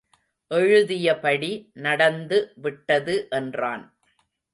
எழுதியபடி நடந்து விட்டது என்றான்.